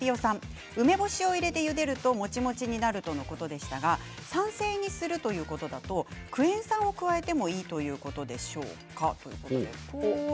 梅干しを入れてゆでるともちもちになるということでしたが酸性にするということだとクエン酸を加えてもいいということでしょうか？ということです。